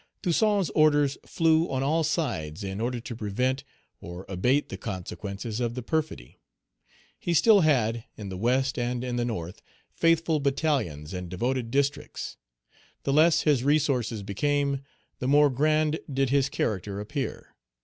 Toussaint's orders flew on all sides in order to prevent or abate the consequences of the perfidy. He still had, in the West and in the North, faithful battalions and devoted districts. The less his resources became, the more grand did his character appear.